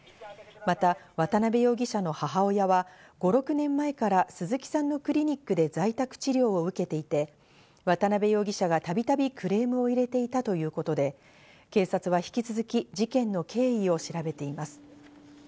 また、渡辺容疑者の母親は５６年前から鈴木さんのクリニックで在宅治療を受けていて、渡辺容疑者がたびたびクレームを入れていたということで、警察は引き続き事件の経緯を調べています。